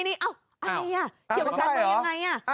นี่อ้าวอันนี้อ่ะเกี่ยวกับการมือยังไง